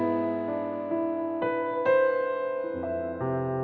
harapan semua varian itu now schonial